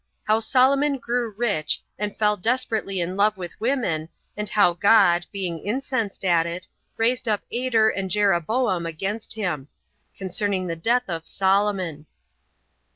How Solomon Grew Rich, And Fell Desperately In Love With Women And How God, Being Incensed At It, Raised Up Ader And Jeroboam Against Him. Concerning The Death Of Solomon.